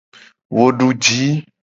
Wo du ji.